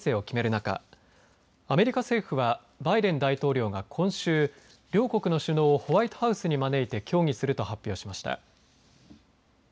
中アメリカ政府はバイデン大統領が今週両国の首脳をホワイトハウスに招いて協議すると発表しました。